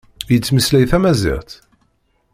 Yettmeslay tamaziɣt?